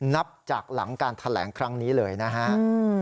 นับจากหลังการแถลงครั้งนี้เลยนะครับ